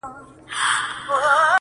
چي پیدا کړي لږ ثروت بس هوایې سي,